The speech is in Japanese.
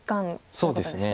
そうですね。